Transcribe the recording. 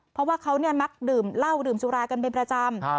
เพราะว่าเขามักดื่มเหล้าดื่มสุรากันเป็นประจำ